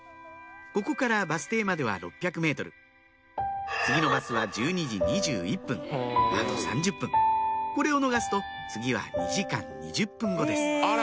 ここからバス停までは６００ｍ次のバスは１２時２１分あと３０分これを逃すと次は２時間２０分後ですあら！